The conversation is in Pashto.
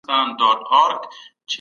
اقتصادي زېربناوي ژر تر ژره جوړې کړئ.